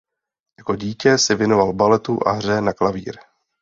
Jako dítě se věnovala baletu a hře na klavír.